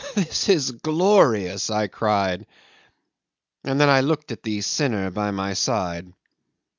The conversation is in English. "This is glorious!" I cried, and then I looked at the sinner by my side.